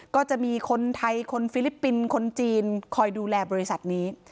ก็จะมีคนไทยคนฟิลิปปินส์คนจีนคอยดูแลบริษัทนี้